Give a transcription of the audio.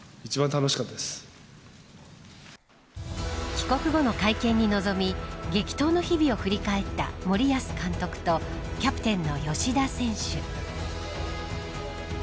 帰国後の会見に臨み激闘の日々を振り返った森保監督とキャプテンの吉田選手。